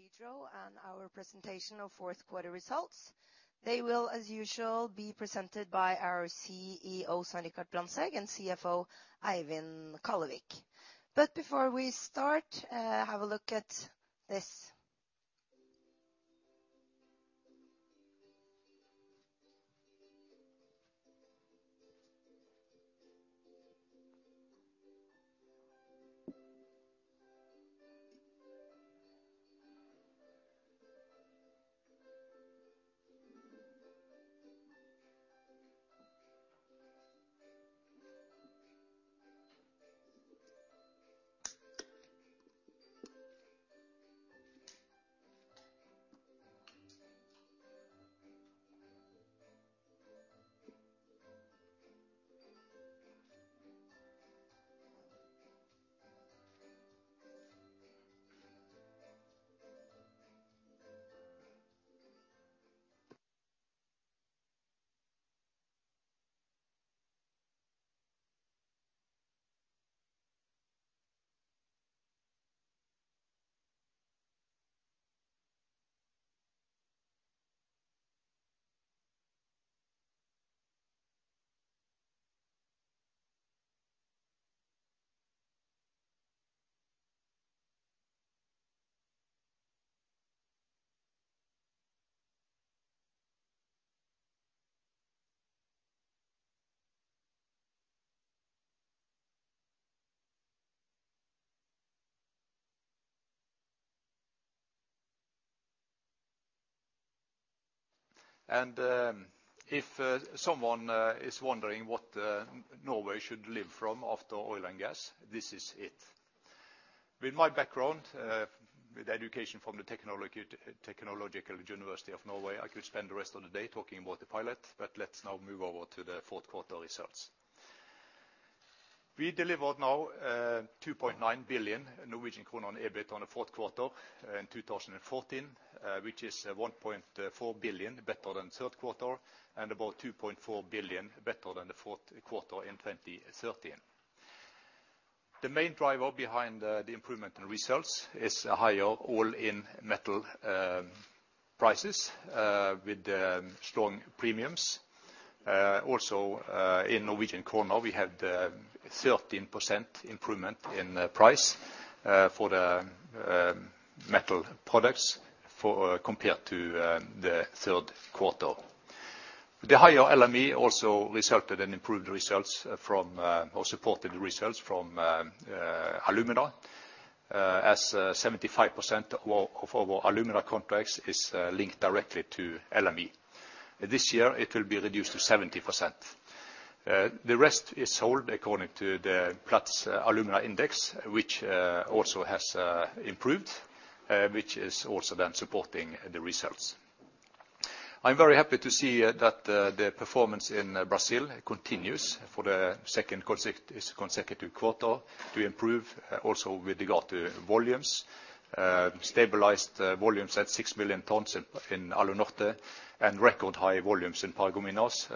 Welcome to Hydro and our presentation of Q4 results. They will, as usual, be presented by our CEO, Svein Richard Brandtzæg, and CFO, Eivind Kallevik. Before we start, have a look at this. If someone is wondering what Norway should live from after oil and gas, this is it. With my background, with education from the Norwegian University of Science and Technology, I could spend the rest of the day talking about the pilot, but let's now move over to the Q4 results. We delivered now 2.9 billion Norwegian kroner on EBIT on the Q4 in 2014, which is 1.4 billion better than Q3, and about 2.4 billion better than the Q4 in 2013. The main driver behind the improvement in results is higher all-in metal prices with strong premiums. Also, in Norwegian krone, we had 13% improvement in price for the metal products, compared to the Q3. The higher LME also resulted in improved results from or supported the results from alumina, as 75% of all our alumina contracts is linked directly to LME. This year it will be reduced to 70%. The rest is sold according to the Platts alumina index, which also has improved, which is also then supporting the results. I'm very happy to see that the performance in Brazil continues for the second consecutive quarter to improve also with regard to volumes. Stabilized volumes at 6 million tons in Alunorte, and record high volumes in Paragominas,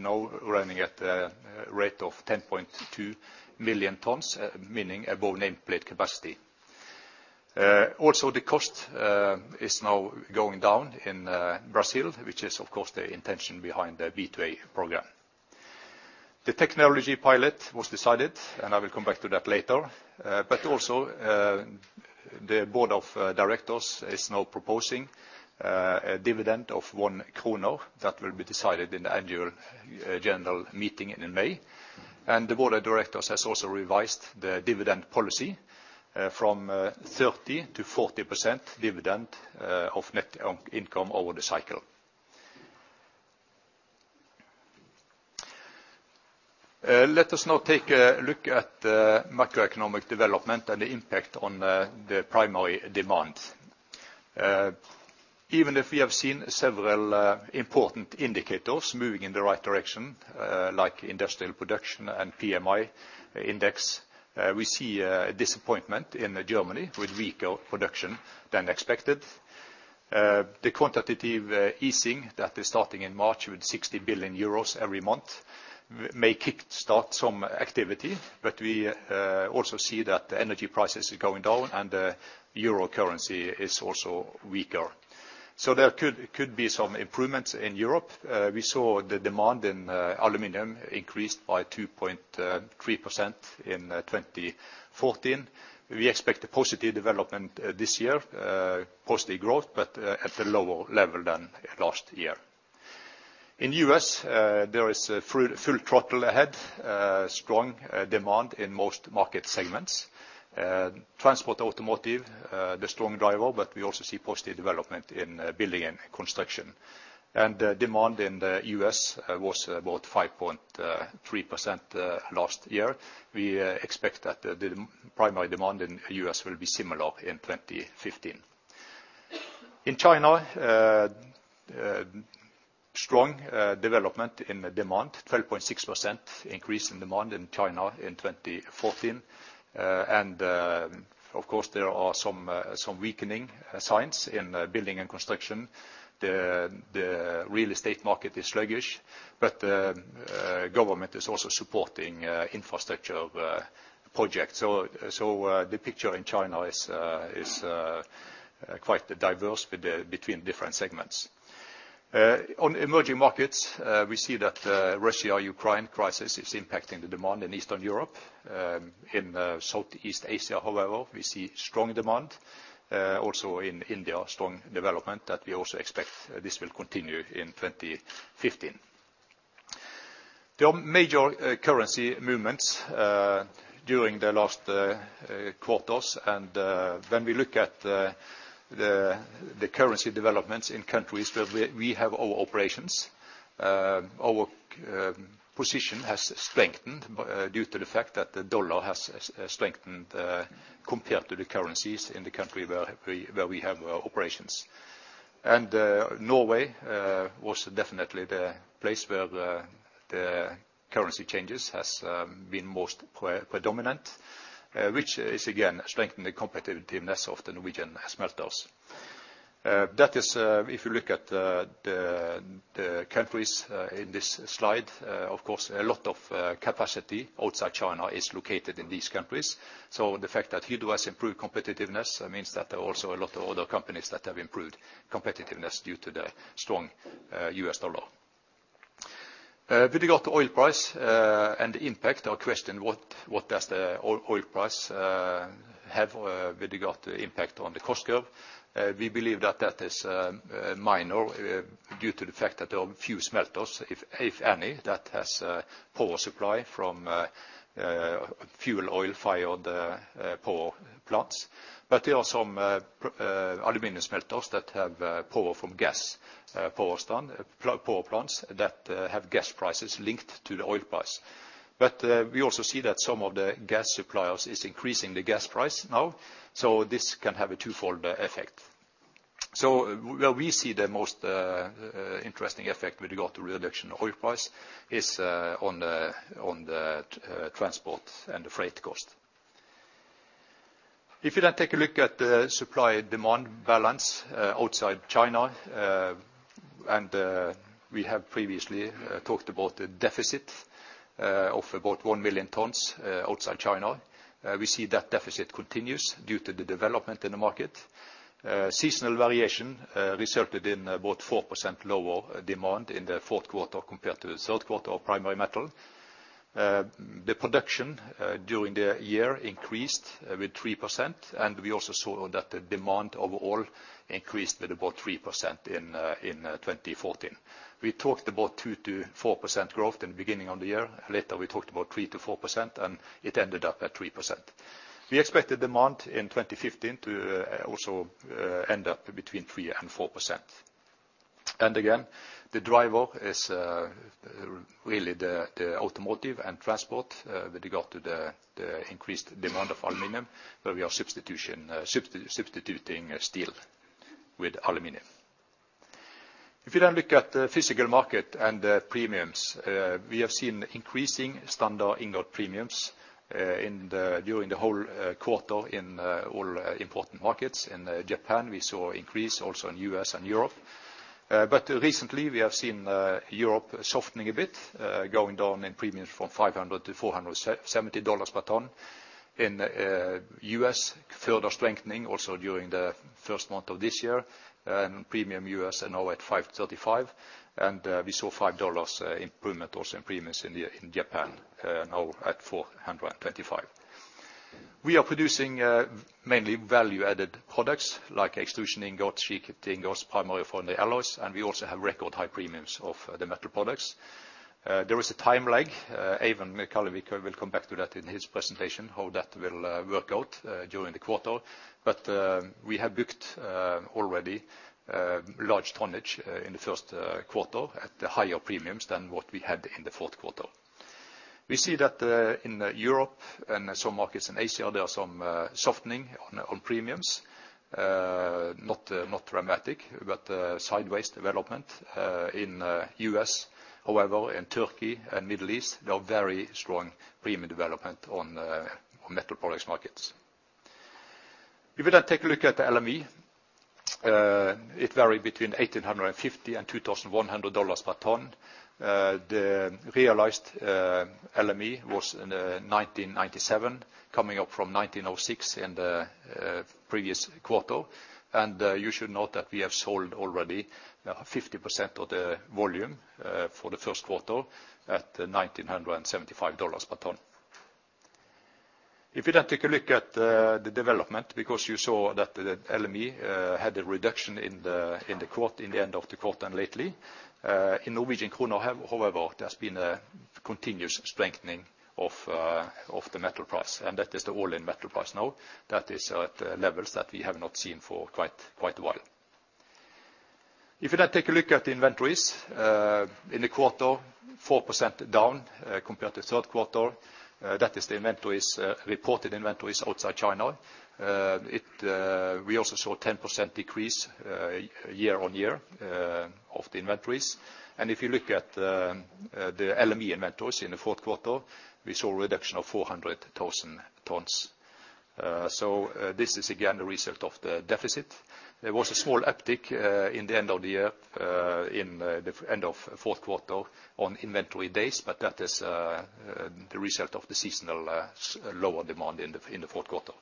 now running at a rate of 10.2 million tons, meaning above nameplate capacity. Also the cost is now going down in Brazil, which is of course the intention behind the B2A program. The technology pilot was decided, and I will come back to that later. But also, the board of directors is now proposing a dividend of 1 that will be decided in the annual general meeting in May. The board of directors has also revised the dividend policy from 30%-40% dividend of net income over the cycle. Let us now take a look at macroeconomic development and the impact on the primary demand. Even if we have seen several important indicators moving in the right direction, like industrial production and PMI index, we see a disappointment in Germany with weaker production than expected. The quantitative easing that is starting in March with 60 billion euros every month may kick-start some activity, but we also see that the energy prices are going down and the euro currency is also weaker. There could be some improvements in Europe. We saw the demand in aluminum increased by 2.3% in 2014. We expect a positive development this year, positive growth, but at a lower level than last year. In U.S., there is full throttle ahead, strong demand in most market segments. Transport automotive, the strong driver, but we also see positive development in building and construction. Demand in the U.S. was about 5.3% last year. We expect that the primary demand in U.S. will be similar in 2015. In China, strong development in the demand, 12.6% increase in demand in China in 2014. Of course, there are some weakening signs in building and construction. The real estate market is sluggish, but government is also supporting infrastructure projects. The picture in China is quite diverse between different segments. On emerging markets, we see that the Russia-Ukraine crisis is impacting the demand in Eastern Europe. In Southeast Asia, however, we see strong demand. Also in India, strong development that we also expect this will continue in 2015. There are major currency movements during the last quarters. When we look at the currency developments in countries where we have our operations, our position has strengthened due to the fact that the dollar has strengthened compared to the currencies in the country where we have our operations. Norway was definitely the place where the currency changes has been most predominant, which is again strengthening the competitiveness of the Norwegian smelters. That is, if you look at the countries in this slide, of course, a lot of capacity outside China is located in these countries. The fact that Hydro has improved competitiveness, that means that also a lot of other companies that have improved competitiveness due to the strong US dollar. With regard to oil price and the impact or question, what does the oil price have with regard to impact on the cost curve? We believe that is minor due to the fact that there are a few smelters, if any, that has power supply from fuel oil-fired power plants. There are some aluminum smelters that have power from gas power plants that have gas prices linked to the oil price. We also see that some of the gas suppliers is increasing the gas price now, so this can have a twofold effect. Where we see the most interesting effect with regard to reduction in oil price is on the transport and the freight cost. If you then take a look at the supply-demand balance outside China and we have previously talked about the deficit of about 1 million tons outside China. We see that deficit continues due to the development in the market. Seasonal variation resulted in about 4% lower demand in the Q4 compared to the Q3 of Primary Metal. The production during the year increased with 3%, and we also saw that the demand overall increased at about 3% in 2014. We talked about 2%-4% growth in the beginning of the year. Later, we talked about 3%-4%, and it ended up at 3%. We expect the demand in 2015 to also end up between 3% and 4%. Again, the driver is really the automotive and transport with regard to the increased demand of aluminum, where we are substituting steel with aluminum. If you then look at the physical market and the premiums, we have seen increasing standard ingot premiums during the whole quarter in all important markets. In Japan, we saw increase also in U.S. and Europe. Recently we have seen Europe softening a bit, going down in premiums from $500 to $470 per ton. In U.S., further strengthening also during the first month of this year. U.S. premiums are now at $535, and we saw $5 improvement also in premiums in Japan, now at $425. We are producing mainly value-added products like extrusion ingot, sheet ingots, primarily from the alloys, and we also have record high premiums of the metal products. There is a time lag. Eivind Kallevik will come back to that in his presentation, how that will work out during the quarter. We have booked already large tonnage in the Q1 at the higher premiums than what we had in the Q4. We see that in Europe and some markets in Asia, there are some softening on premiums. Not dramatic, but sideways development in U.S., however, in Turkey and Middle East, there are very strong premium development on metal products markets. If you then take a look at the LME, it varied between $1,850 and $2,100 per ton. The realized LME was 1,997, coming up from 1,906 in the previous quarter. You should note that we have sold already 50% of the volume for the Q1 at $1,975 per ton. If you then take a look at the development, because you saw that the LME had a reduction in the quarter, in the end of the quarter and lately in Norwegian kroner, however, there's been a continuous strengthening of the metal price, and that is the all-in metal price now. That is at levels that we have not seen for quite a while. If you then take a look at the inventories in the quarter, 4% down compared to Q3, that is the reported inventories outside China. We also saw a 10% decrease year-on-year of the inventories. If you look at the LME inventories in the Q4, we saw a reduction of 400,000 tons. This is again the result of the deficit. There was a small uptick in the end of the year in the end of Q4 on inventory days, but that is the result of the seasonal lower demand in the Q4.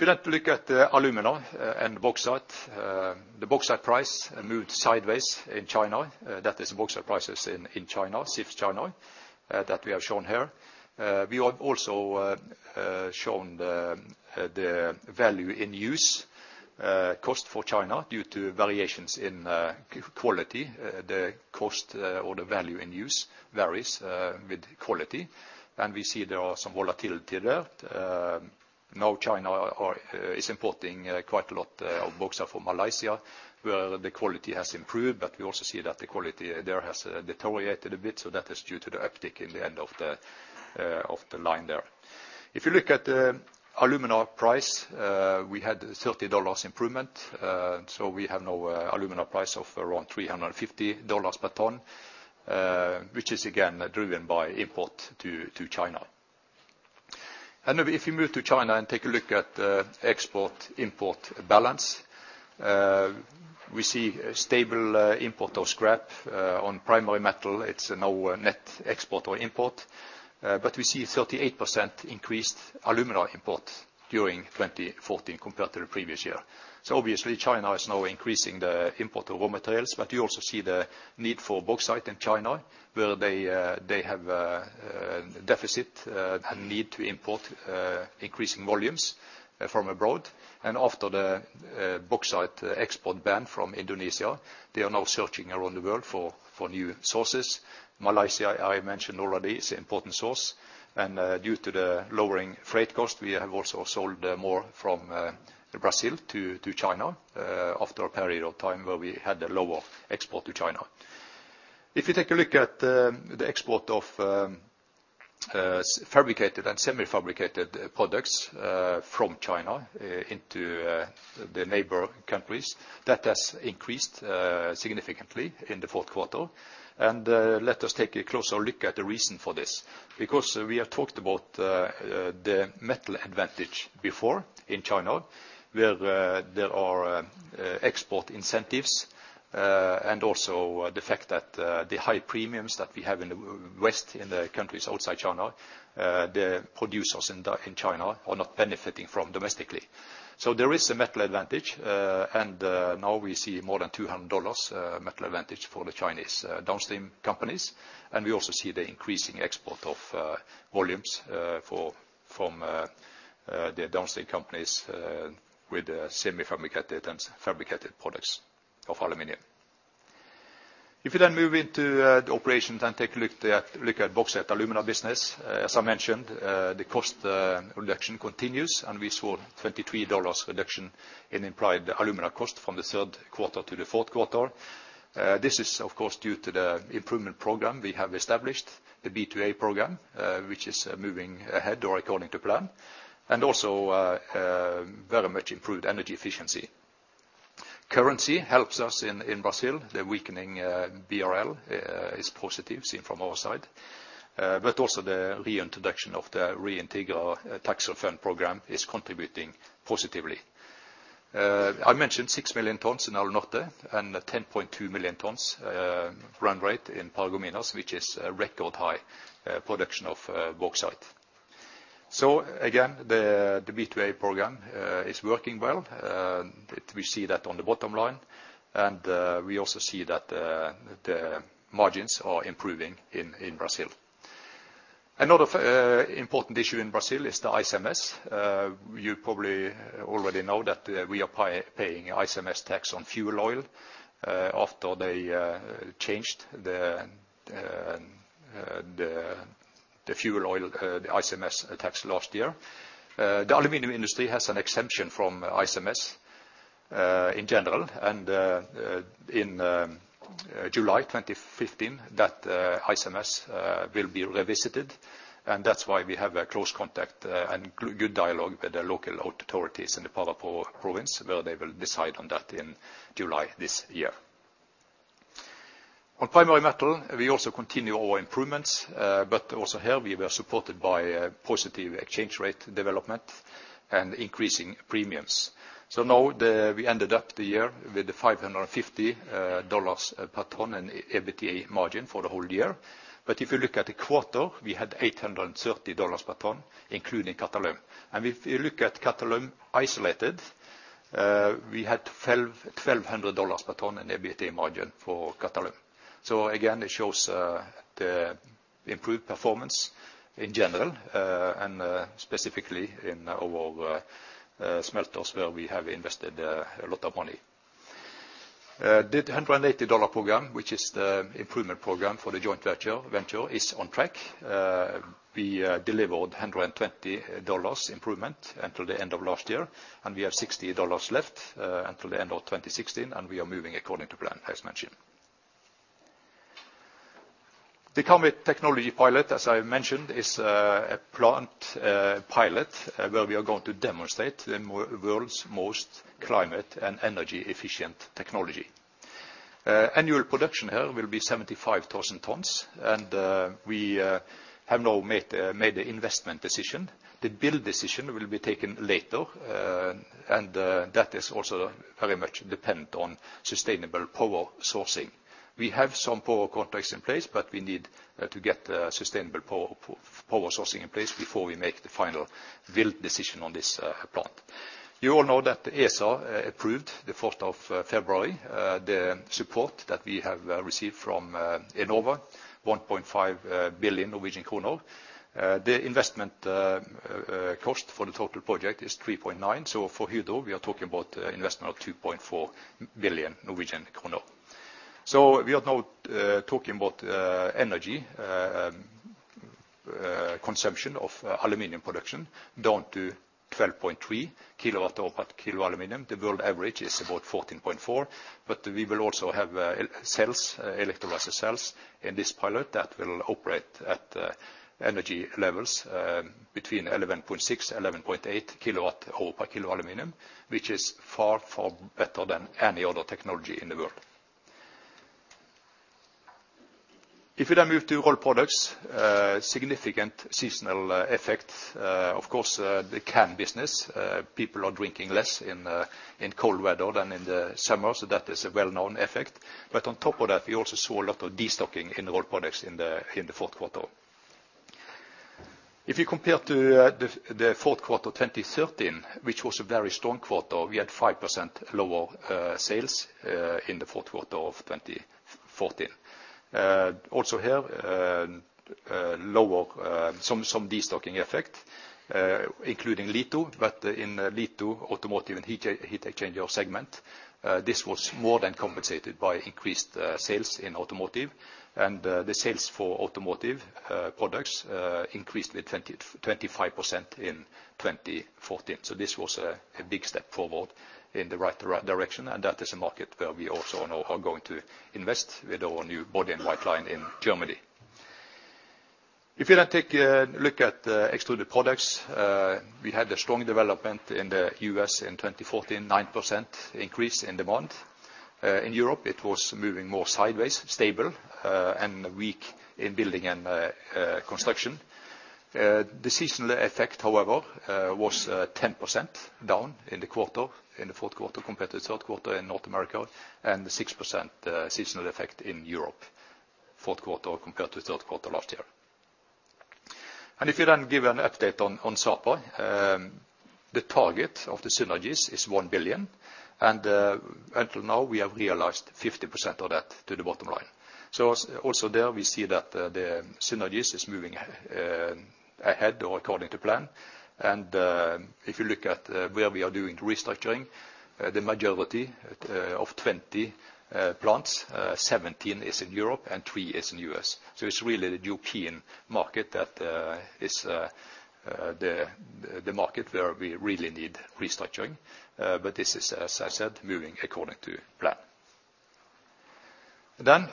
If you then look at the alumina and bauxite, the bauxite price moved sideways in China, that is bauxite prices in China, CIF China, that we have shown here. We have also shown the value in use cost for China due to variations in quality, the cost or the value in use varies with quality. We see there are some volatility there. Now China is importing quite a lot of bauxite from Malaysia, where the quality has improved. We also see that the quality there has deteriorated a bit, so that is due to the uptick in the end of the line there. If you look at the alumina price, we had $30 improvement, so we have now alumina price of around $350 per ton, which is again driven by import to China. If you move to China and take a look at export-import balance, we see a stable import of scrap on Primary Metal, it's now a net export or import. We see 38% increased alumina import during 2014 compared to the previous year. Obviously China is now increasing the import of raw materials, but you also see the need for bauxite in China, where they have a deficit and need to import increasing volumes from abroad. After the bauxite export ban from Indonesia, they are now searching around the world for new sources. Malaysia, I mentioned already, is an important source. Due to the lowering freight cost, we have also sold more from Brazil to China after a period of time where we had a lower export to China. If you take a look at the export of semi-fabricated and semi-fabricated products from China into the neighboring countries, that has increased significantly in the Q4. Let us take a closer look at the reason for this. Because we have talked about the metal advantage before in China, where there are export incentives, and also the fact that the high premiums that we have in the west, in the countries outside China, the producers in China are not benefiting from domestically. There is a metal advantage, and now we see more than $200 metal advantage for the Chinese downstream companies. We also see the increasing export of volumes from the downstream companies with semi-fabricated and fabricated products of aluminum. If you then move into the operations and take a look at Bauxite & Alumina business, as I mentioned, the cost reduction continues and we saw $23 reduction in implied alumina cost from the Q3 to the Q4. This is of course due to the improvement program we have established, the B2A program, which is moving ahead or according to plan, and also very much improved energy efficiency. Currency helps us in Brazil. The weakening BRL is positive, seen from our side. Also the reintroduction of the Reintegra Tax Refund program is contributing positively. I mentioned 6 million tons in Alunorte and 10.2 million tons run rate in Paragominas, which is a record high production of bauxite. Again, the B2A program is working well, we see that on the bottom line, and we also see that the margins are improving in Brazil. Another important issue in Brazil is the ICMS. You probably already know that we are paying ICMS tax on fuel oil after they changed the fuel oil ICMS tax last year. The aluminum industry has an exemption from ICMS in general. In July 2015, that ICMS will be revisited. That's why we have a close contact and good dialogue with the local authorities in the Pará province, where they will decide on that in July this year. On Primary Metal, we also continue our improvements, but also here we were supported by a positive exchange rate development and increasing premiums. Now we ended the year with $550 per ton in EBITDA margin for the whole year. If you look at the quarter, we had $830 per ton, including Qatalum. If you look at Qatalum isolated, we had $1,200 per ton in EBITDA margin for Qatalum. Again, it shows the improved performance in general and specifically in our smelters, where we have invested a lot of money. The $180 program, which is the improvement program for the joint venture, is on track. We delivered $120 improvement until the end of last year. We have $60 left until the end of 2016, and we are moving according to plan, as mentioned. The Karmøy technology pilot, as I mentioned, is a plant pilot where we are going to demonstrate the world's most climate and energy-efficient technology. Annual production here will be 75,000 tons, and we have now made the investment decision. The build decision will be taken later, and that is also very much dependent on sustainable power sourcing. We have some power contracts in place, but we need to get sustainable power sourcing in place before we make the final build decision on this plant. You all know that the ESA approved the 4th of February the support that we have received from Enova, 1.5 billion Norwegian kroner. The investment cost for the total project is 3.9 billion. For Hydro, we are talking about investment of 2.4 billion Norwegian kroner. We are now talking about energy consumption of aluminum production down to 12.3 kWh per kg aluminum. The world average is about 14.4. We will also have electrolysis cells in this pilot that will operate at energy levels between 11.6 and 11.8 kWh per kg aluminum, which is far, far better than any other technology in the world. If we now move to Rolled Products, significant seasonal effect, of course, the can business, people are drinking less in cold weather than in the summer, so that is a well-known effect. On top of that, we also saw a lot of destocking in Rolled Products in the Q4. If you compare to the Q4 2013, which was a very strong quarter, we had 5% lower sales in the Q4 of 2014. Also here, lower some destocking effect, including Litho. In Litho, Automotive and Heat Exchanger segment, this was more than compensated by increased sales in Automotive. The sales for Automotive products increased with 25% in 2014. This was a big step forward in the right direction, and that is a market where we also now are going to invest with our new body-in-white line in Germany. If you now take a look at Extruded Products, we had a strong development in the U.S. in 2014, 9% increase in demand. In Europe, it was moving more sideways, stable, and weak in building and construction. The seasonal effect, however, was 10% down in the quarter, in the Q4 compared to the Q3 in North America, and 6% seasonal effect in Europe, Q4 compared to the Q3 last year. If you then give an update on Sapa, the target of the synergies is 1 billion. Until now, we have realized 50% of that to the bottom line. Also there, we see that the synergies is moving ahead or according to plan. If you look at where we are doing restructuring, the majority of 20 plants, 17 is in Europe and 3 is in U.S. It's really the European market that is the market where we really need restructuring. This is, as I said, moving according to plan.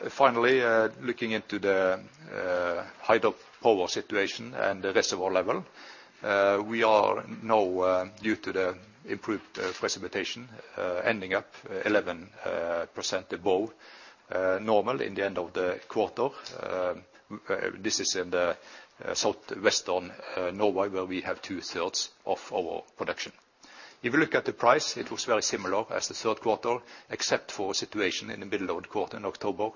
Finally, looking into the hydropower situation and the reservoir level, we are now due to the improved precipitation ending up 11% above normal in the end of the quarter. This is in the southwestern Norway, where we have two-thirds of our production. If you look at the price, it was very similar as the Q3, except for a situation in the middle of the quarter in October,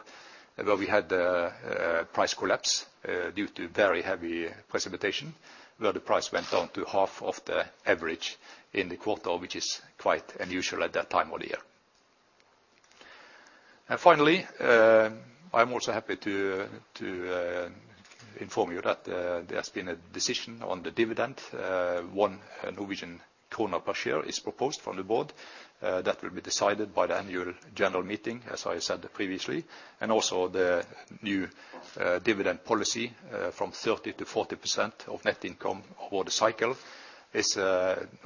where we had a price collapse due to very heavy precipitation, where the price went down to half of the average in the quarter, which is quite unusual at that time of the year. Finally, I'm also happy to inform you that there's been a decision on the dividend. 1 Norwegian kroner per share is proposed from the board. That will be decided by the annual general meeting, as I said previously. The new dividend policy from 30%-40% of net income over the cycle is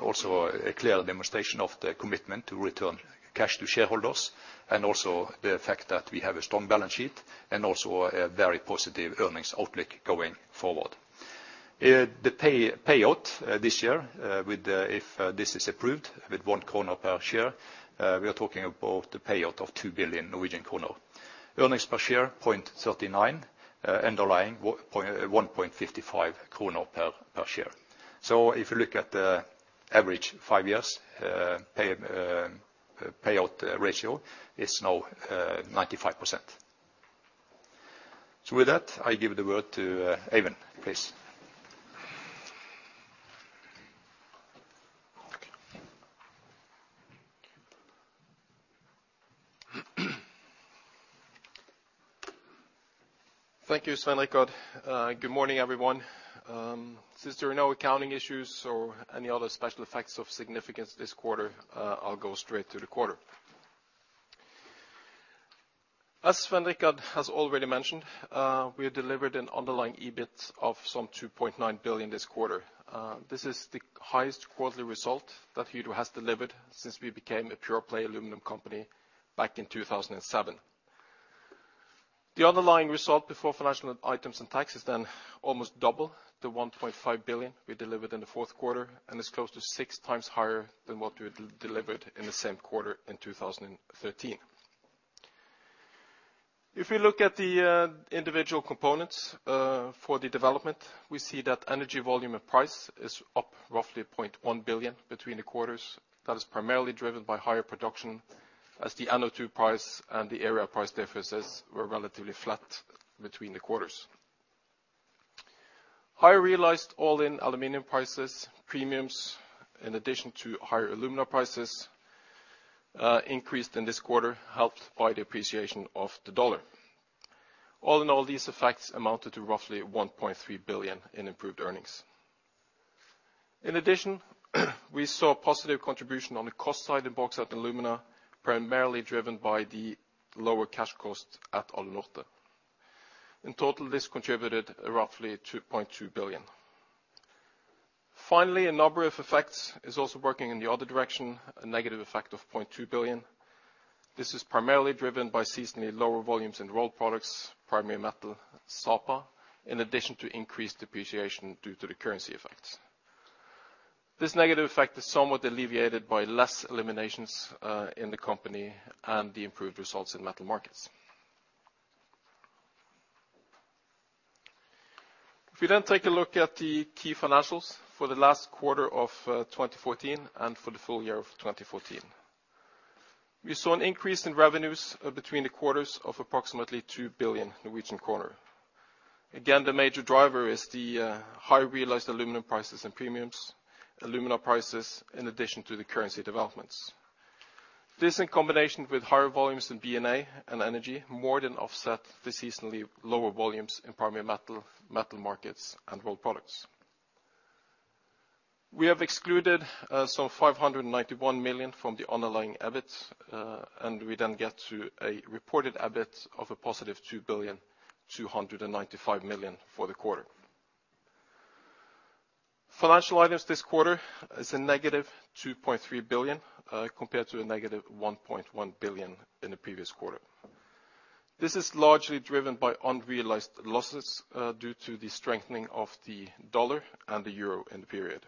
also a clear demonstration of the commitment to return cash to shareholders and also the fact that we have a strong balance sheet and also a very positive earnings outlook going forward. The payout this year, if this is approved with 1 kroner per share, we are talking about the payout of 2 billion Norwegian kroner. Earnings per share, 0.39, underlying 1.55 kroner per share. If you look at the average five years payout ratio is now 95%. With that, I give the word to Eivind, please. Thank you, Svein Richard. Good morning, everyone. Since there are no accounting issues or any other special effects of significance this quarter, I'll go straight to the quarter. As Svein Richard has already mentioned, we have delivered an underlying EBIT of some 2.9 billion this quarter. This is the highest quarterly result that Hydro has delivered since we became a pure-play aluminum company back in 2007. The underlying result before financial items and taxes then almost double the 1.5 billion we delivered in the Q4, and is close to six times higher than what we delivered in the same quarter in 2013. If you look at the individual components for the development, we see that energy volume and price is up roughly 0.1 billion between the quarters. That is primarily driven by higher production as the alumina price and the area price differences were relatively flat between the quarters. Higher realized all-in aluminum prices, premiums, in addition to higher alumina prices, increased in this quarter, helped by the appreciation of the dollar. All in all these effects amounted to roughly 1.3 billion in improved earnings. In addition, we saw a positive contribution on the cost side in Bauxite & Alumina, primarily driven by the lower cash cost at Alunorte. In total, this contributed roughly 2.2 billion. Finally, a number of effects is also working in the other direction, a negative effect of 0.2 billion. This is primarily driven by seasonally lower volumes in Rolled Products, Primary Metal, Sapa, in addition to increased depreciation due to the currency effects. This negative effect is somewhat alleviated by less eliminations in the company and the improved results in Metal Markets. If you then take a look at the key financials for the last quarter of 2014 and for the full year of 2014. We saw an increase in revenues between the quarters of approximately 2 billion Norwegian kroner. Again, the major driver is the high realized aluminum prices and premiums, alumina prices, in addition to the currency developments. This, in combination with higher volumes in B&A and Energy, more than offset the seasonally lower volumes in Primary Metal Markets and Rolled Products. We have excluded some 591 million from the underlying EBIT, and we then get to a reported EBIT of a positive 2,295 million for the quarter. Financial items this quarter is -2.3 billion, compared to -1.1 billion in the previous quarter. This is largely driven by unrealized losses due to the strengthening of the dollar and the euro in the period.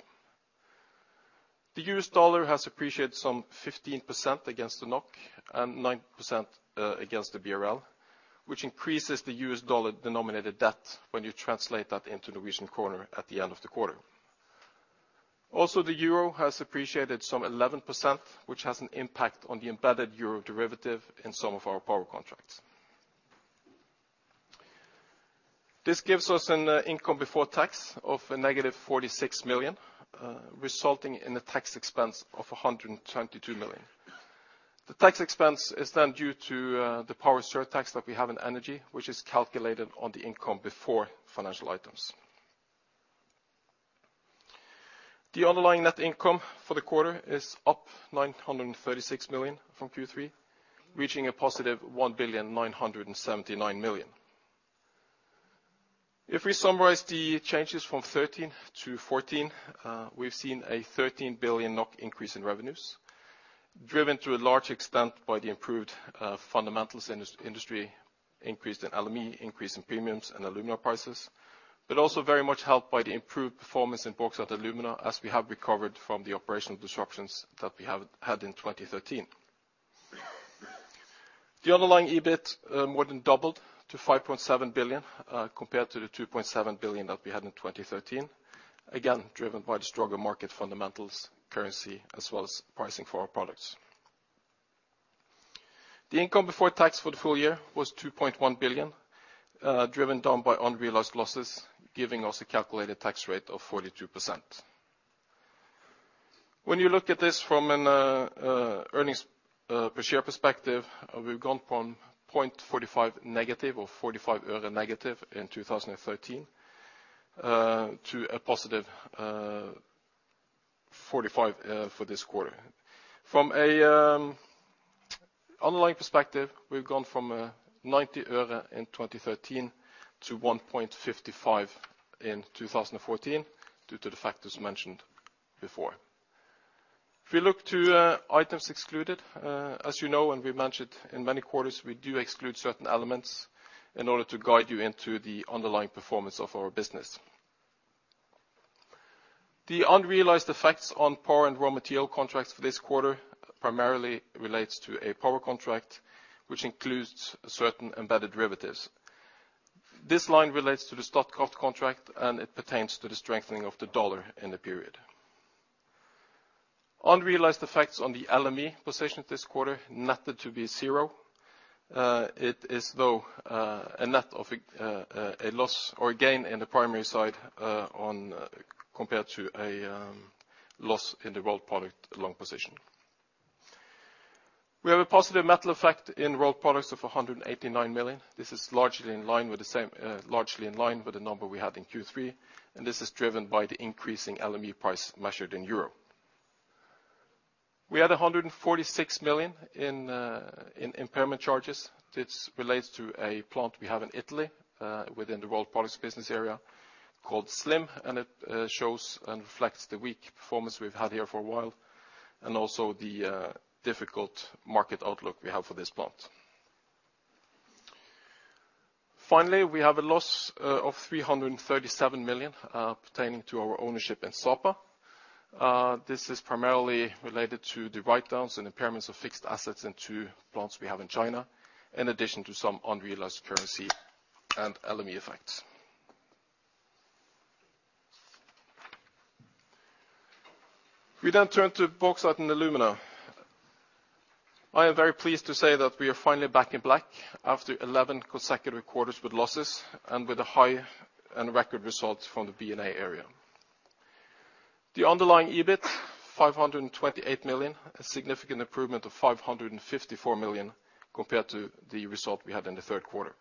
The US dollar has appreciated some 15% against the NOK and 9% against the BRL, which increases the US dollar-denominated debt when you translate that into Norwegian kroner at the end of the quarter. Also, the euro has appreciated some 11%, which has an impact on the embedded euro derivative in some of our power contracts. This gives us an income before tax of -46 million, resulting in a tax expense of 122 million. The tax expense is then due to the power surtax that we have in Energy, which is calculated on the income before financial items. The underlying net income for the quarter is up 936 million from Q3, reaching a positive 1,979 million. If we summarize the changes from 2013 to 2014, we've seen a 13 billion NOK increase in revenues, driven to a large extent by the improved fundamentals in this industry, increase in LME, increase in premiums and alumina prices. Also very much helped by the improved performance in Bauxite & Alumina, as we have recovered from the operational disruptions that we have had in 2013. The underlying EBIT more than doubled to 5.7 billion compared to the 2.7 billion that we had in 2013. Again, driven by the stronger market fundamentals, currency, as well as pricing for our products. The income before tax for the full year was 2.1 billion, driven down by unrealized losses, giving us a calculated tax rate of 42%. When you look at this from an earnings per share perspective, we've gone from -0.45 or -45 øre in 2013 to a positive 45 for this quarter. From an underlying perspective, we've gone from 90 øre in 2013 to 1.55 in 2014 due to the factors mentioned before. If we look to items excluded, as you know, and we mentioned in many quarters, we do exclude certain elements in order to guide you into the underlying performance of our business. The unrealized effects on power and raw material contracts for this quarter primarily relates to a power contract, which includes certain embedded derivatives. This line relates to the Statkraft contract, and it pertains to the strengthening of the dollar in the period. Unrealized effects on the LME position this quarter netted to be zero. It is, though, a net of a loss or gain in the Primary side compared to a loss in the Rolled Products long position. We have a positive metal effect in Rolled Products of 189 million. This is largely in line with the number we had in Q3, and this is driven by the increasing LME price measured in euro. We had 146 million in impairment charges. This relates to a plant we have in Italy, within the Rolled Products business area called SLIM, and it shows and reflects the weak performance we've had here for a while, and also the difficult market outlook we have for this plant. Finally, we have a loss of 337 million pertaining to our ownership in Sapa. This is primarily related to the write-downs and impairments of fixed assets in two plants we have in China, in addition to some unrealized currency and LME effects. We turn to bauxite and alumina. I am very pleased to say that we are finally back in black after 11 consecutive quarters with losses and with a high end record results from the B&A area. The underlying EBIT, 528 million, a significant improvement of 554 million compared to the result we had in the Q3.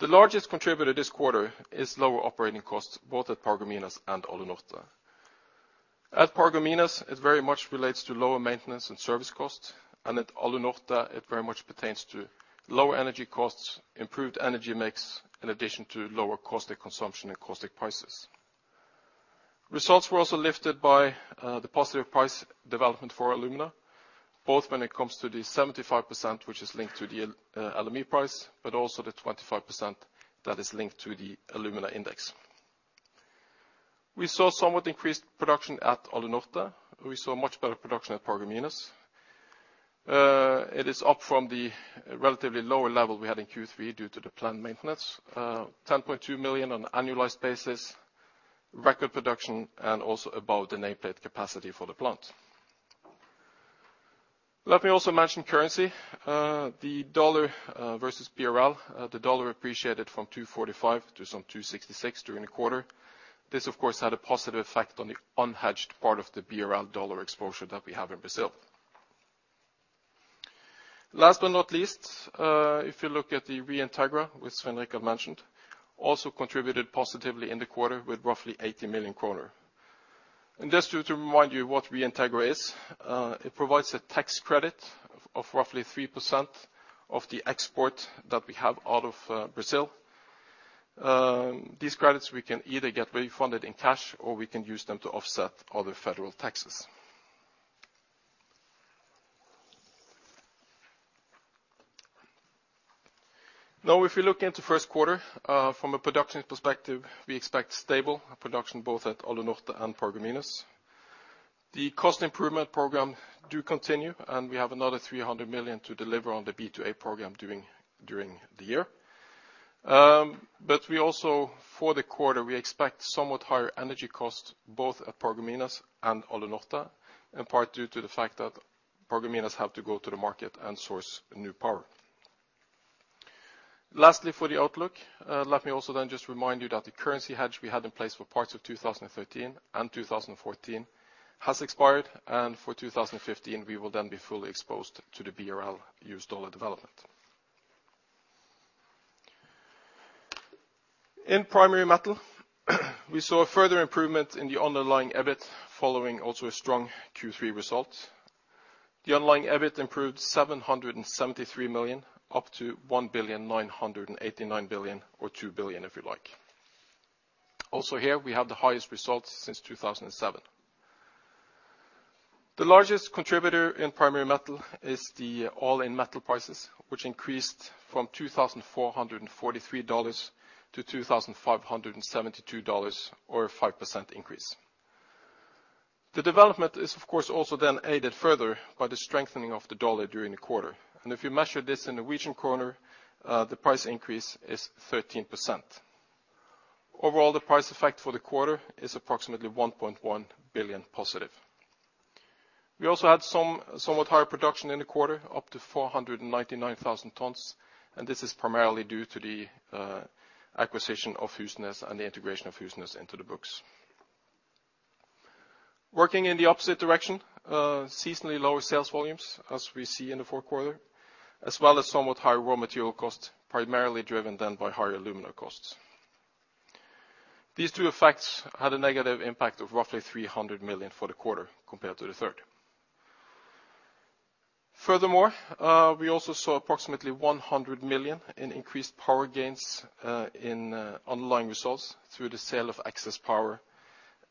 The largest contributor this quarter is lower operating costs, both at Paragominas and Alunorte. At Paragominas, it very much relates to lower maintenance and service costs, and at Alunorte it very much pertains to lower energy costs, improved energy mix in addition to lower caustic consumption and caustic prices. Results were also lifted by the positive price development for alumina, both when it comes to the 75% which is linked to the LME price, but also the 25% that is linked to the alumina index. We saw somewhat increased production at Alunorte. We saw much better production at Paragominas. It is up from the relatively lower level we had in Q3 due to the planned maintenance. 10.2 million on an annualized basis, record production, and also about the nameplate capacity for the plant. Let me also mention currency. The dollar versus BRL. The dollar appreciated from 2.45 to some 2.66 during the quarter. This, of course, had a positive effect on the unhedged part of the BRL dollar exposure that we have in Brazil. Last but not least, if you look at the Reintegra, which Svein Richard had mentioned, also contributed positively in the quarter with roughly 80 million kroner. Just to remind you what Reintegra is, it provides a tax credit of roughly 3% of the export that we have out of Brazil. These credits, we can either get refunded in cash, or we can use them to offset other federal taxes. Now, if you look into Q1, from a production perspective, we expect stable production both at Alunorte and Paragominas. The cost improvement program do continue, and we have another 300 million to deliver on the B&A program during the year. We also, for the quarter, we expect somewhat higher energy costs both at Paragominas and Alunorte, in part due to the fact that Paragominas have to go to the market and source new power. Lastly, for the outlook, let me also then just remind you that the currency hedge we had in place for parts of 2013 and 2014 has expired, and for 2015 we will then be fully exposed to the BRL US dollar development. In Primary Metal, we saw a further improvement in the underlying EBIT following also a strong Q3 result. The underlying EBIT improved 773 million up to 1,989 million or 2 billion if you like. Also here, we have the highest results since 2007. The largest contributor in Primary Metal is the all-in metal prices, which increased from $2,443 to $2,572 or a 5% increase. The development is of course also then aided further by the strengthening of the dollar during the quarter. If you measure this in the Norwegian kroner, the price increase is 13%. Overall, the price effect for the quarter is approximately 1.1 billion positive. We also had some somewhat higher production in the quarter, up to 499,000 tons, and this is primarily due to the acquisition of Husnes and the integration of Husnes into the books. Working in the opposite direction, seasonally lower sales volumes as we see in the Q4, as well as somewhat higher raw material costs, primarily driven then by higher alumina costs. These two effects had a negative impact of roughly 300 million for the quarter compared to the third. Furthermore, we also saw approximately 100 million in increased power gains in underlying results through the sale of excess power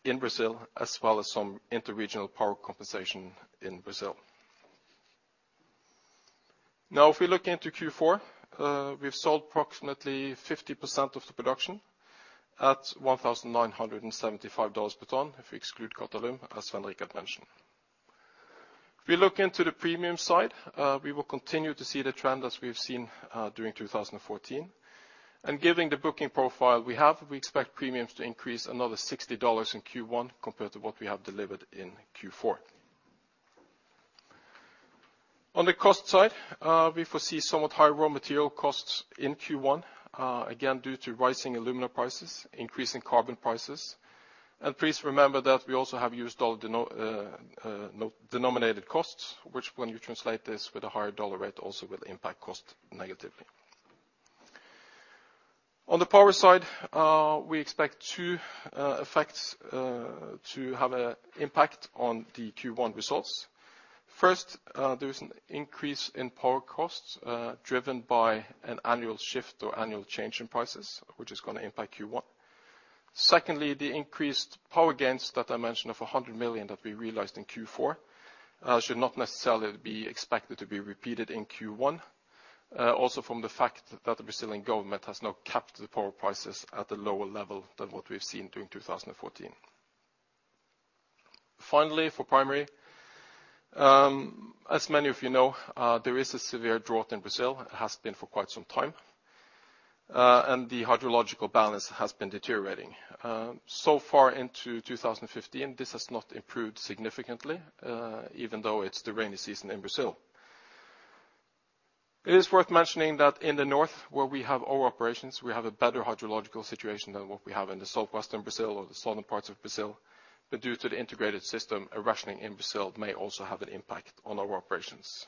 in Brazil, as well as some interregional power compensation in Brazil. Now, if we look into Q4, we've sold approximately 50% of the production at $1,975 per ton if we exclude Qatalum, as Svein Richard had mentioned. If we look into the premium side, we will continue to see the trend as we have seen during 2014. Given the booking profile we have, we expect premiums to increase another $60 in Q1 compared to what we have delivered in Q4. On the cost side, we foresee somewhat higher raw material costs in Q1, again, due to rising alumina prices, increasing carbon prices. Please remember that we also have US dollar denominated costs, which when you translate this with a higher dollar rate, also will impact cost negatively. On the power side, we expect 2 effects to have an impact on the Q1 results. First, there is an increase in power costs, driven by an annual shift or annual change in prices, which is gonna impact Q1. Secondly, the increased power gains that I mentioned of 100 million that we realized in Q4 should not necessarily be expected to be repeated in Q1. Also from the fact that the Brazilian government has now capped the power prices at a lower level than what we've seen during 2014. Finally, for primary, as many of you know, there is a severe drought in Brazil. It has been for quite some time. The hydrological balance has been deteriorating. So far into 2015, this has not improved significantly, even though it's the rainy season in Brazil. It is worth mentioning that in the north, where we have our operations, we have a better hydrological situation than what we have in the southwestern Brazil or the southern parts of Brazil. Due to the integrated system, a rationing in Brazil may also have an impact on our operations.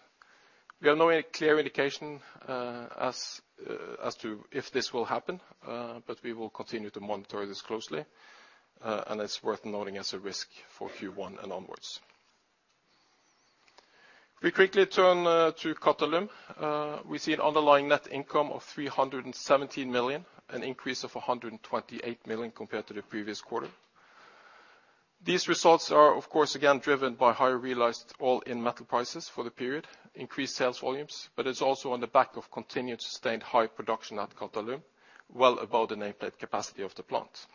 We have no clear indication as to if this will happen, but we will continue to monitor this closely. It's worth noting as a risk for Q1 and onwards. If we quickly turn to Qatalum, we see an underlying net income of 317 million, an increase of 128 million compared to the previous quarter. These results are of course, again driven by higher realized all-in metal prices for the period, increased sales volumes, but it's also on the back of continued sustained high production at Qatalum, well above the nameplate capacity of the plant.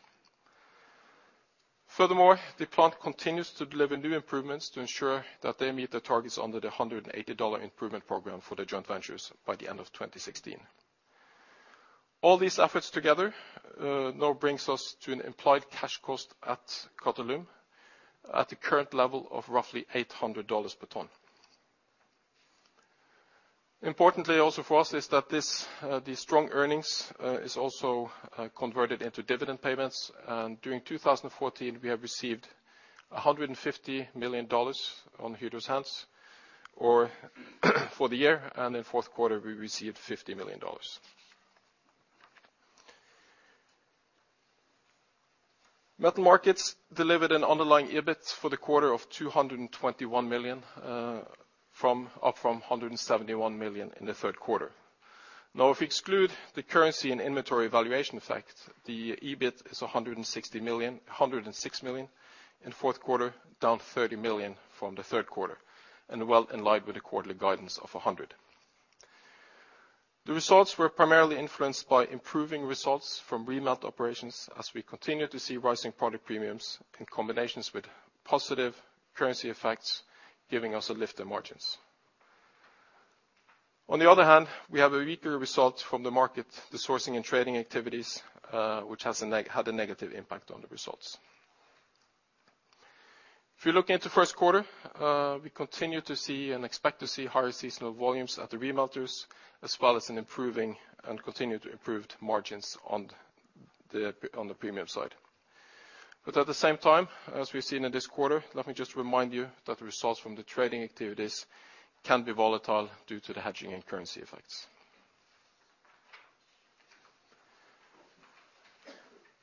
Furthermore, the plant continues to deliver new improvements to ensure that they meet their targets under the $180 improvement program for the joint ventures by the end of 2016. All these efforts together, now brings us to an implied cash cost at Qatalum at the current level of roughly $800 per ton. Importantly also for us is that this, the strong earnings, is also, converted into dividend payments. During 2014, we have received $150 million in Hydro's hands, or for the year. In Q4, we received $50 million. Metal Markets delivered an underlying EBIT for the quarter of 221 million, up from 171 million in the Q3. Now, if we exclude the currency and inventory valuation effect, the EBIT is 106 million in Q4, down 30 million from the Q3. Well in line with the quarterly guidance of 100 million. The results were primarily influenced by improving results from remelt operations as we continue to see rising product premiums in combination with positive currency effects, giving us a lift in margins. On the other hand, we have a weaker result from marketing, the sourcing and trading activities, which had a negative impact on the results. If you're looking at the Q1, we continue to see and expect to see higher seasonal volumes at the remelters, as well as an improving and continued improved margins on the premium side. At the same time, as we've seen in this quarter, let me just remind you that the results from the trading activities can be volatile due to the hedging and currency effects.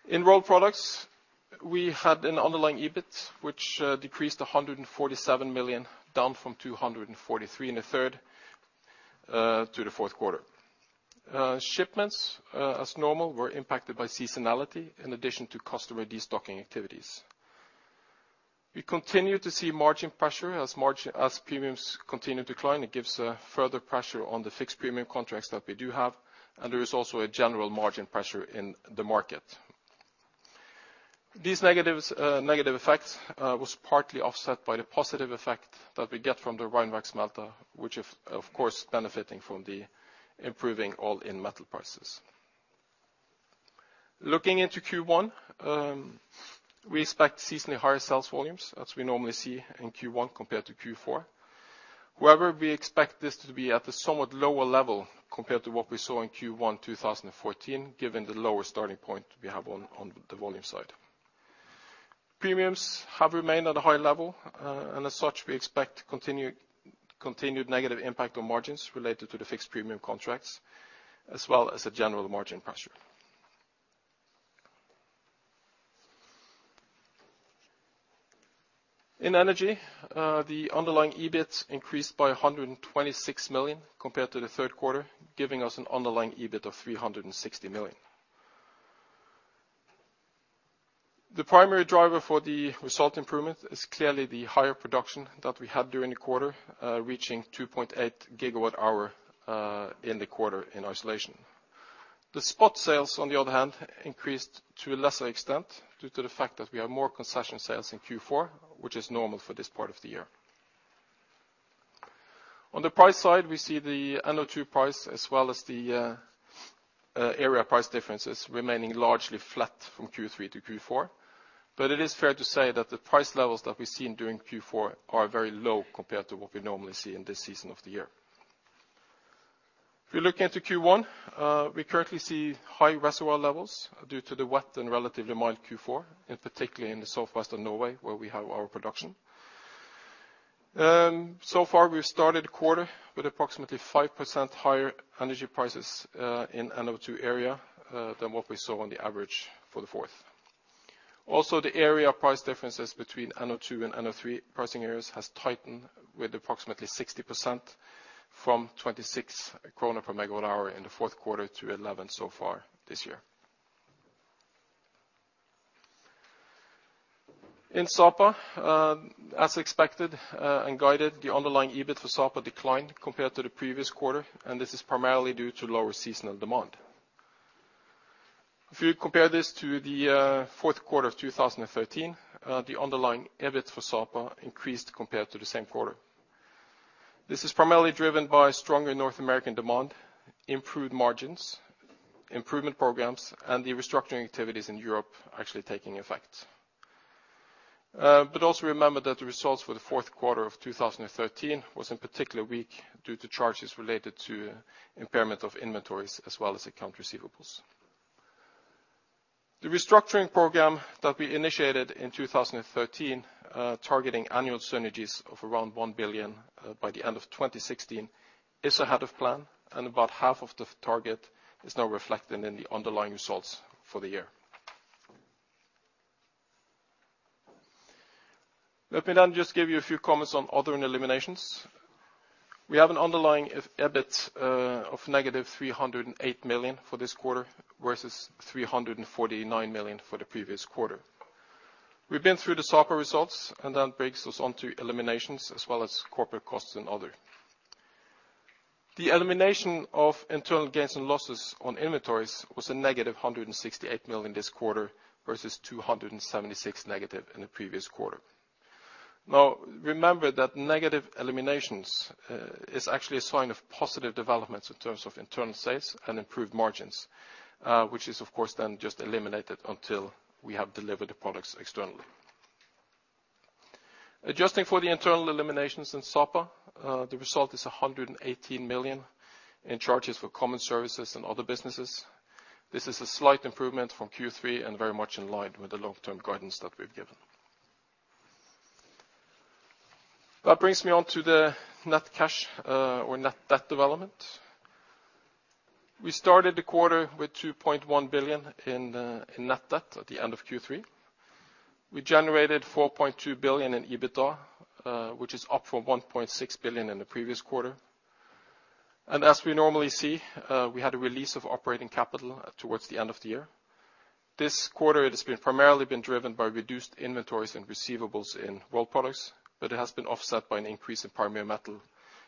In Rolled Products, we had an underlying EBIT which decreased 147 million, down from 243 million in the third to the Q4. Shipments, as normal, were impacted by seasonality in addition to customer destocking activities. We continue to see margin pressure as premiums continue to decline. It gives further pressure on the fixed premium contracts that we do have, and there is also a general margin pressure in the market. These negative effects was partly offset by the positive effect that we get from the Rheinwerk smelter, which, of course benefiting from the improving all-in metal prices. Looking into Q1, we expect seasonally higher sales volumes as we normally see in Q1 compared to Q4. However, we expect this to be at a somewhat lower level compared to what we saw in Q1 2014, given the lower starting point we have on the volume side. Premiums have remained at a high level, and as such, we expect continued negative impact on margins related to the fixed premium contracts, as well as a general margin pressure. In energy, the underlying EBIT increased by 126 million compared to the Q3, giving us an underlying EBIT of 360 million. The primary driver for the result improvement is clearly the higher production that we had during the quarter, reaching 2.8 GWh in the quarter in isolation. The spot sales, on the other hand, increased to a lesser extent due to the fact that we have more concession sales in Q4, which is normal for this part of the year. On the price side, we see the NO2 price as well as the area price differences remaining largely flat from Q3 to Q4. It is fair to say that the price levels that we've seen during Q4 are very low compared to what we normally see in this season of the year. If you're looking into Q1, we currently see high reservoir levels due to the wet and relatively mild Q4, and particularly in the southwest of Norway, where we have our production. So far, we've started the quarter with approximately 5% higher energy prices in NO2 area than what we saw on the average for Q4. Also, the area price differences between NO2 and NO3 pricing areas has tightened with approximately 60% from 26 kroner per MWh in the Q4 to 11 so far this year. In Sapa, as expected, and guided, the underlying EBIT for Sapa declined compared to the previous quarter, and this is primarily due to lower seasonal demand. If you compare this to the Q4 of 2013, the underlying EBIT for Sapa increased compared to the same quarter. This is primarily driven by stronger North American demand, improved margins, improvement programs, and the restructuring activities in Europe actually taking effect. Also remember that the results for the Q4 of 2013 was particularly weak due to charges related to impairment of inventories as well as accounts receivable. The restructuring program that we initiated in 2013, targeting annual synergies of around 1 billion, by the end of 2016 is ahead of plan, and about half of the target is now reflected in the underlying results for the year. Let me just give you a few comments on other and eliminations. We have an underlying EBIT of -308 million for this quarter, versus 349 million for the previous quarter. We've been through the Sapa results, and that brings us onto eliminations as well as corporate costs and other. The elimination of internal gains and losses on inventories was -168 million in this quarter, versus -276 million in the previous quarter. Now, remember that negative eliminations is actually a sign of positive developments in terms of internal sales and improved margins, which is of course just eliminated until we have delivered the products externally. Adjusting for the internal eliminations in Sapa, the result is 118 million in charges for common services and other businesses. This is a slight improvement from Q3 and very much in line with the long-term guidance that we've given. That brings me on to the net cash or net debt development. We started the quarter with 2.1 billion in net debt at the end of Q3. We generated 4.2 billion in EBITDA, which is up from 1.6 billion in the previous quarter. As we normally see, we had a release of operating capital towards the end of the year. This quarter, it has primarily been driven by reduced inventories and receivables in Rolled Products, but it has been offset by an increase in Primary Metal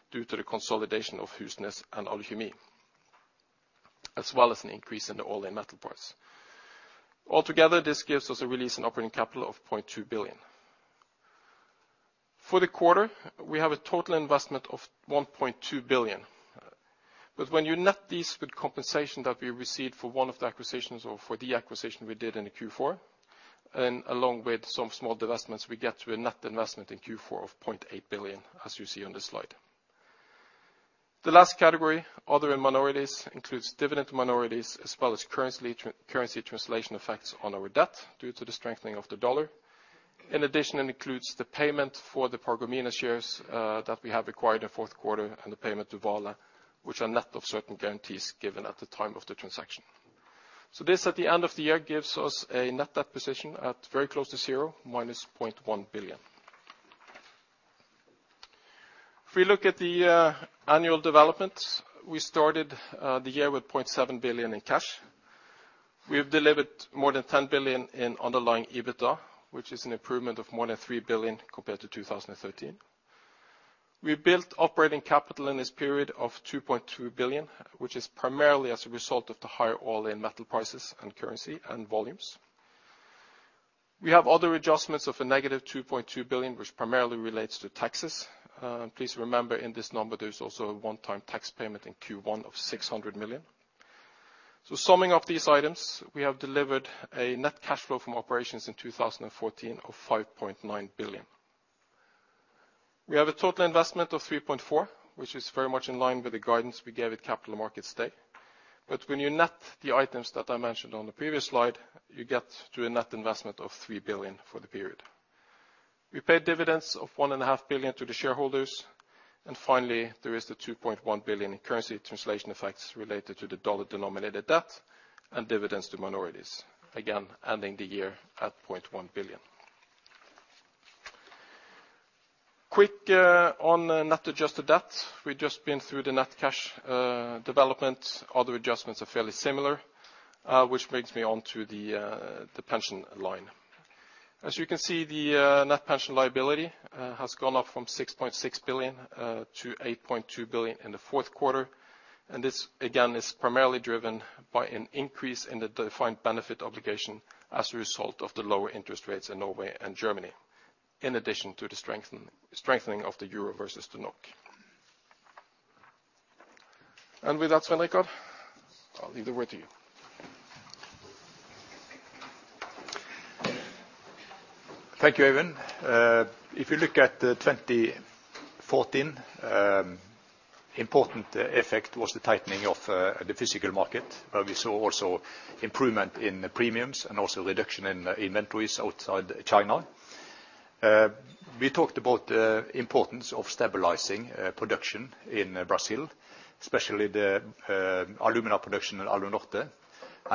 due to the consolidation of Husnes and aluminum, as well as an increase in the oil and metal price. Altogether, this gives us a release in operating capital of 0.2 billion. For the quarter, we have a total investment of 1.2 billion. When you net these with compensation that we received for one of the acquisitions or for the acquisition we did in the Q4, and along with some small divestments, we get to a net investment in Q4 of 0.8 billion, as you see on this slide. The last category, other and minorities, includes dividend to minorities as well as currency translation effects on our debt due to the strengthening of the dollar. In addition, it includes the payment for the Paragominas shares that we have acquired in Q4 and the payment to Vale, which are net of certain guarantees given at the time of the transaction. This, at the end of the year, gives us a net debt position at very close to zero, -0.1 billion. If we look at the annual developments, we started the year with 0.7 billion in cash. We have delivered more than 10 billion in underlying EBITDA, which is an improvement of more than 3 billion compared to 2013. We built operating capital in this period of 2.2 billion, which is primarily as a result of the higher oil and metal prices and currency and volumes. We have other adjustments of a negative 2.2 billion, which primarily relates to taxes. Please remember in this number, there's also a one-time tax payment in Q1 of 600 million. Summing up these items, we have delivered a net cash flow from operations in 2014 of 5.9 billion. We have a total investment of 3.4 billion, which is very much in line with the guidance we gave at Capital Markets Day. When you net the items that I mentioned on the previous slide, you get to a net investment of 3 billion for the period. We paid dividends of 1.5 billion to the shareholders. Finally, there is the 2.1 billion in currency translation effects related to the dollar-denominated debt and dividends to minorities, again, ending the year at 0.1 billion. Quick on net adjusted debt. We've just been through the net cash development. Other adjustments are fairly similar, which brings me on to the pension line. As you can see, the net pension liability has gone up from 6.6 billion to 8.2 billion in the Q4. This, again, is primarily driven by an increase in the defined benefit obligation as a result of the lower interest rates in Norway and Germany, in addition to the strengthening of the euro versus the NOK. With that, Svein Richard Brandtzæg, I'll leave the word to you. Thank you, Eivind. If you look at 2014, important effect was the tightening of the physical market, we saw also improvement in the premiums and also reduction in inventories outside China. We talked about the importance of stabilizing production in Brazil, especially the alumina production in Alunorte.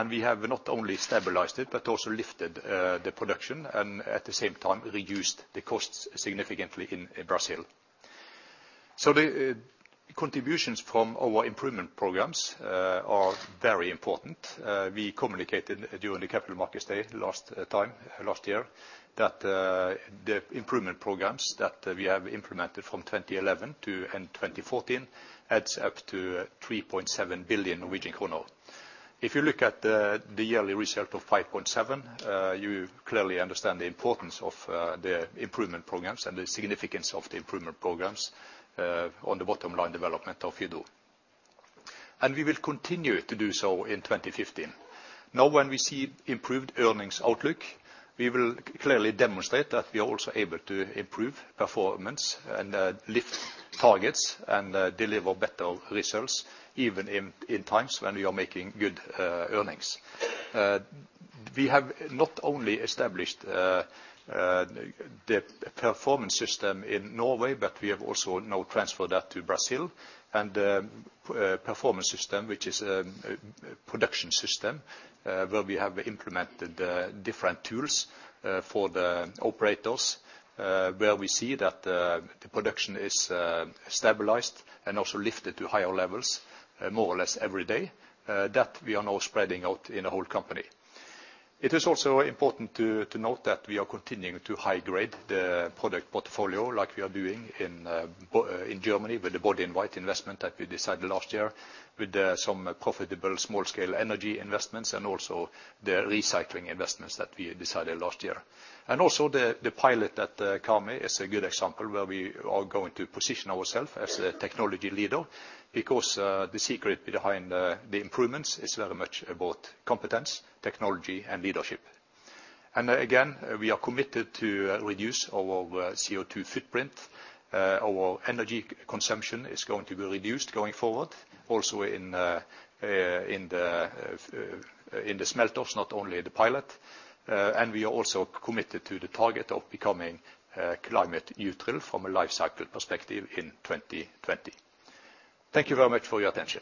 We have not only stabilized it but also lifted the production and at the same time reduced the costs significantly in Brazil. The contributions from our improvement programs are very important. We communicated during the Capital Markets Day last time, last year, that the improvement programs that we have implemented from 2011 to end 2014 adds up to 3.7 billion Norwegian kroner. If you look at the yearly result of 5.7 billion, you clearly understand the importance of the improvement programs and the significance of the improvement programs on the bottom line development of Hydro. We will continue to do so in 2015. Now when we see improved earnings outlook, we will clearly demonstrate that we are also able to improve performance and lift targets and deliver better results even in times when we are making good earnings. We have not only established the performance system in Norway, but we have also now transferred that to Brazil and the performance system, which is a production system, where we have implemented different tools for the operators, where we see that the production is stabilized and also lifted to higher levels, more or less every day, that we are now spreading out in the whole company. It is also important to note that we are continuing to high grade the product portfolio like we are doing in Germany with the body-in-white investment that we decided last year with some profitable small-scale energy investments and also the recycling investments that we decided last year. Also the pilot at the Karmøy is a good example where we are going to position ourselves as a technology leader because the secret behind the improvements is very much about competence, technology and leadership. Again, we are committed to reduce our CO2 footprint. Our energy consumption is going to be reduced going forward, also in the smelters, not only the pilot. We are also committed to the target of becoming climate neutral from a life cycle perspective in 2020. Thank you very much for your attention.